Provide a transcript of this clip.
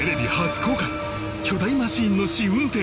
巨大マシンの試運転